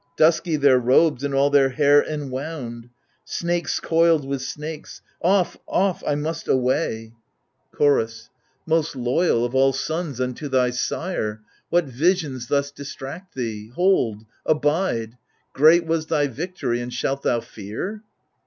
Dusky their robes and all their hair en wound — Snakes coiled with snakes — off, off, — I must away ! K I30 THE LIBATION BEARERS Chorus Most loyal of all sons unto thy sire, What visions thus distract thee ? Hold, abide ; Great was thy victory, and shalt thou fear